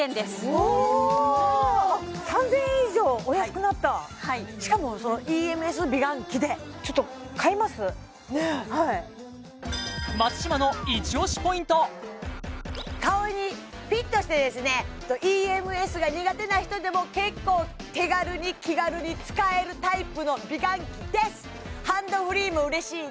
おおおお３０００円以上お安くなったはいしかもそのＥＭＳ美顔器でちょっと買いますはいねえ顔にフィットしてですねＥＭＳが苦手な人でも結構手軽に気軽に使えるタイプの美顔器です